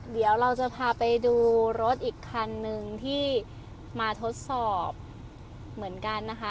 เดี๋ยวเราจะพาไปดูรถอีกคันนึงที่มาทดสอบเหมือนกันนะคะ